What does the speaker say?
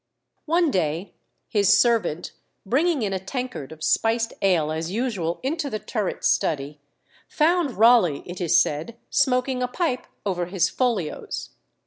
One day his servant, bringing in a tankard of spiced ale as usual into the turret study, found Raleigh (it is said) smoking a pipe over his folios.